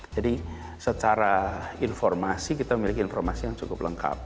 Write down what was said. jadi secara informasi kita memiliki informasi yang cukup lengkap